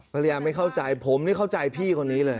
ภรรยาไม่เข้าใจผมนี่เข้าใจพี่คนนี้เลย